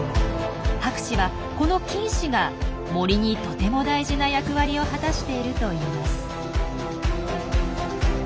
博士はこの菌糸が森にとても大事な役割を果たしているといいます。